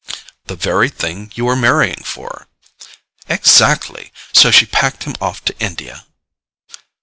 "The very thing you are marrying for!" "Exactly. So she packed him off to India."